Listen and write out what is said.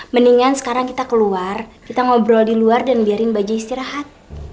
mendingan sekarang kita keluar kita ngobrol di luar dan biarin baju istirahat